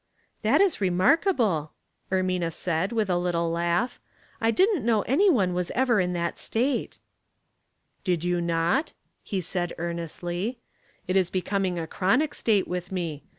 " That is remarkable," Ermina said, with a little laugh. '' I didn't know any one was ever in that state." "Did you not?" he said, earnestly. "It is Storm and '^ dfoonshine.*^ 355 becoming a clironic state with me.